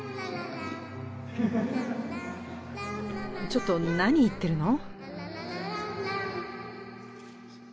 ちょっと何言ってるの？